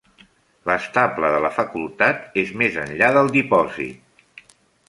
L'estable de la facultat és més enllà del dipòsit.